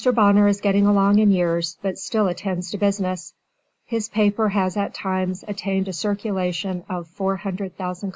Bonner is getting along in years but still attends to business. His paper has at times attained a circulation of 400,000 copies, each issue.